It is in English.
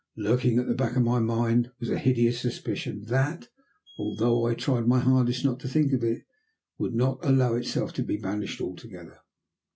Lurking at the back of my mind was a hideous suspicion that, although I tried my hardest not to think of it, would not allow itself to be banished altogether.